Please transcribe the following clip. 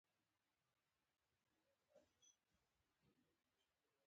کمپیوټر د دې انقلاب اصلي بنسټ ګڼل کېږي.